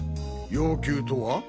要求とは？